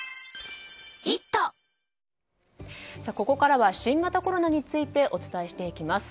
ここからは新型コロナについてお伝えしていきます。